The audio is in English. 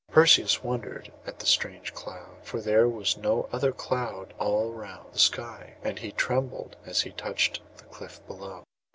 Perseus wondered at that strange cloud, for there was no other cloud all round the sky; and he trembled as it touched the cliff below.